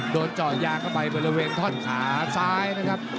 โดนเจาะยางเข้าไปบริเวณท่อนขาซ้ายนะครับ